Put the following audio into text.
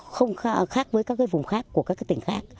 không khác với các vùng khác của các tỉnh khác